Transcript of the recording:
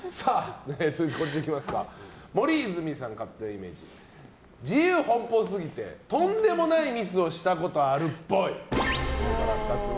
森泉さんの勝手なイメージ自由奔放すぎてとんでもないミスをしたことあるっぽい。